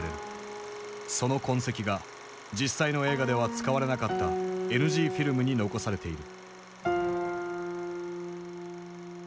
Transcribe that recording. その痕跡が実際の映画では使われなかったＮＧフィルムに残されている。